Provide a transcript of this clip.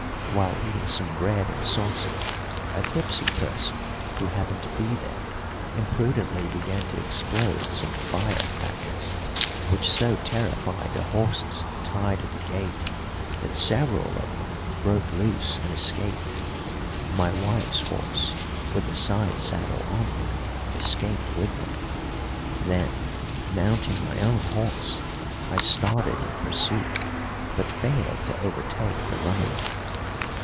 While eating some bread and sausage a tipsy person, who happened to be there, imprudently began to explode some fire crackers, which so terrified the horses tied at the gate that several of them broke loose and escaped. My wife's horse with the side saddle on him escaped with them; then, mounting my own horse, I started in pursuit, but failed to overtake the runaway.